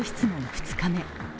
２日目。